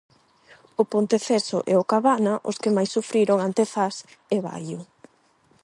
O Ponteceso e o Cabana, os que máis sufriron ante Zas e Baio.